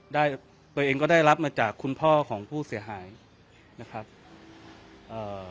ได้ตัวเองก็ได้รับมาจากคุณพ่อของผู้เสียหายนะครับเอ่อ